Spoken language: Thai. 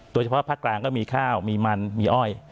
โดยเฉพาะภาคกลางก็มีข้าวมีมันมีอ้อย